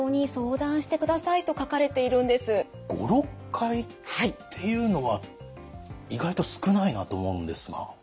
５６回っていうのは意外と少ないなと思うんですが。